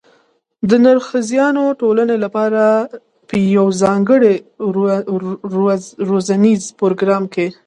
د نرښځیانو ټولنې لپاره په یوه ځانګړي روزنیز پروګرام کې